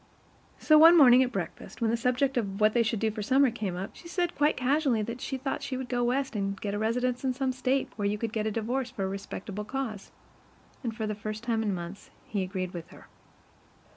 So one morning at breakfast, when the subject of what they should do for the summer came up, she said quite casually that she thought she would go West and get a residence in some State where you could get a divorce for a respectable cause; and for the first time in months he agreed with her.